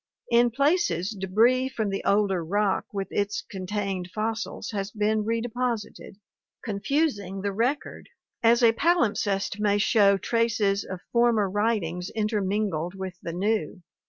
In places debris from the older rock with its contained fossils has been redeposited, confusing the record, as a palimpsest may show traces of former writings intermingled with the new.